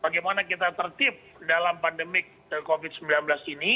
bagaimana kita tertip dalam pandemik covid sembilan belas ini